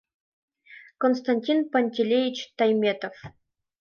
— Константин Пантелейыч Тойметов.